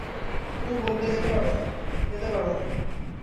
কুমু বললে, যেতে পারব না।